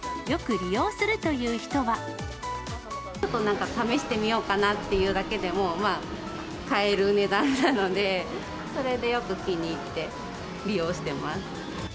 ちょっとなんか、試してみようかなっていうだけでも買える値段なので、それでよく気に入って利用してます。